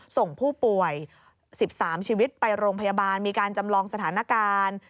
ส่งผู้ป่วย๑๓ชีวิตไปโรงพยาบาลมีการจำลองสถานการณ์